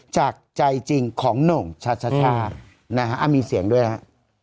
จากใจจริงของโหน่งชัชชานะฮะมีเสียงด้วยนะฮะ